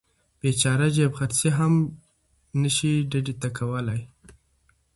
بیچاره جیب خرڅي هم نشي ډډې ته کولی.